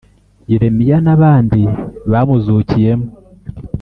Yeremiya n’abandi bamuzukiyemo